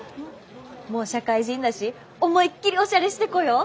もう社会人だし思いっきりおしゃれして来よう！